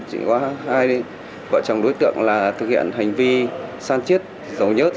chỉ có hai vợ chồng đối tượng thực hiện hành vi sang chiết dầu nhất